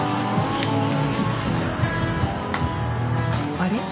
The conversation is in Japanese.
あれ？